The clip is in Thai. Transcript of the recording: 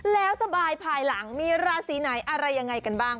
แล้วสบายภายหลังมีราศีไหนอะไรยังไงกันบ้าง